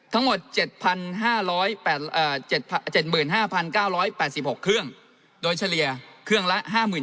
ทั้งหมด๗๕๗๕๙๘๖เครื่องโดยเฉลี่ยเครื่องละ๕๐๐